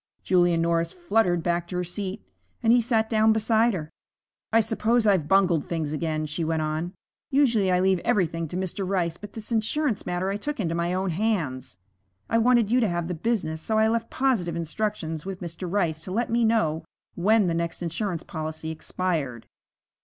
Julia Norris fluttered back to her seat and he sat down beside her. 'I suppose I've bungled things again,' she went on. 'Usually I leave everything to Mr. Rice, but this insurance matter I took into my own hands. I wanted you to have the business, so I left positive instructions with Mr. Rice to let me know when the next insurance policy expired.